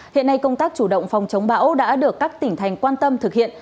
hiện nay công tác chủ động phòng chống bão đã được các tỉnh thành quan tâm thực hiện